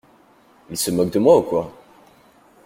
Il se moque de moi ou quoi?